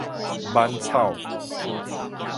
挽草